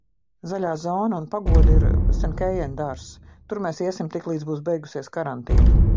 Zaļā zona un pagoda ir Sankeien dārzs. Tur mēs iesim tiklīdz būs beigusies karantīna.